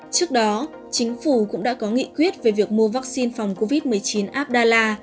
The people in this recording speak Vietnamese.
trước đó chính phủ cũng đã có nghị quyết về việc mua vaccine phòng covid một mươi chín abdallah